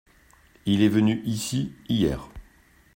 Il est venu ici hier.